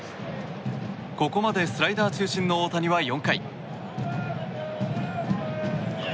ここまでスライダー中心の大谷は４回。